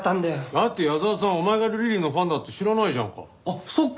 だって矢沢さんお前がルリリンのファンだって知らないじゃんか。